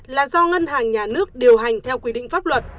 là do ngân hàng nhà nước điều hành theo quy định pháp luật